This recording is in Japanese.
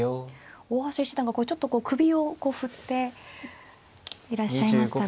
大橋七段がちょっとこう首を振っていらっしゃいましたが。